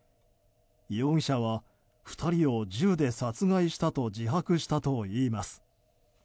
容疑者は２人を銃で殺害したと自白したといいます。